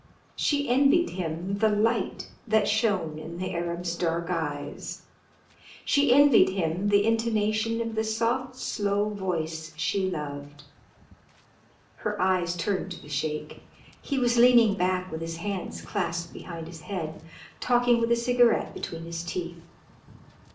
She envied him the light that shone in the Arab's dark eyes, she envied him the intonation of the soft slow voice she loved. Her eyes turned to the Sheik. He was leaning back with his hands clasped behind his head, talking with a cigarette between his teeth.